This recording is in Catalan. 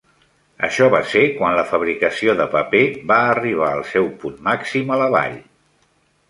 Això va ser quan la fabricació de paper va arribar al seu punt màxim a la vall.